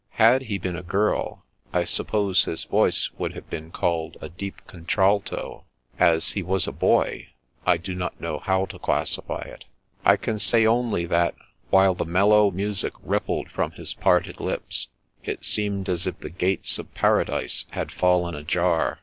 Had he been a girl, I suppose his voice would have been called a deep contralto. As he was a boy — I do not know how to classify it. I can say only that, while the mellow music rippled from his parted lips, it seemed as if the gates of Paradise had fallen ajar.